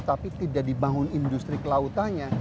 tapi tidak dibangun industri kelautannya